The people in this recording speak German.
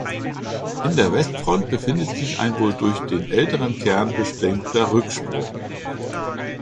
In der Westfront befindet sich ein wohl durch den älteren Kern bestimmter Rücksprung.